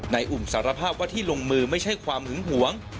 อุ่มสารภาพว่าที่ลงมือไม่ใช่ความหึงหวง